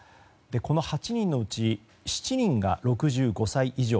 この８人のうち７人が６５歳以上。